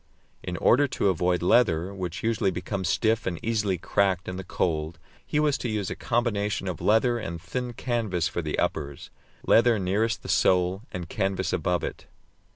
In order to avoid leather, which usually becomes stiff and easily cracked in the cold, he was to use a combination of leather and thin canvas for the uppers leather nearest the sole, and canvas above it.